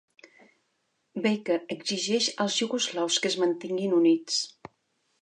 Baker exigeix als iugoslaus que es mantinguin units.